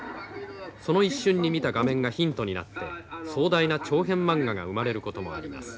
その一瞬に見た画面がヒントになって壮大な長編マンガが生まれることもあります。